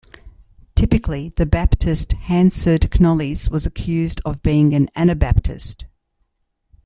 Typically, the Baptist Hanserd Knollys was accused of being an Anabaptist.